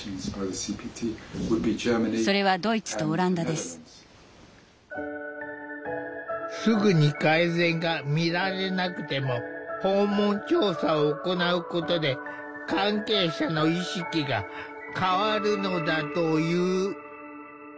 すぐに改善が見られなくても訪問調査を行うことで関係者の意識が変わるのだという。